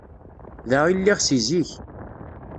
Da i lliɣ si zik.